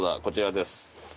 こちらです